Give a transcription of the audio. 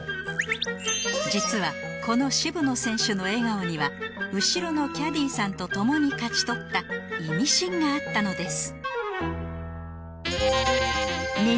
実はこの渋野選手の笑顔には後ろのキャディーさんと共に勝ち取ったイミシンがあったのです